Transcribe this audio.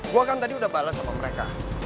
gue kan tadi udah balas sama mereka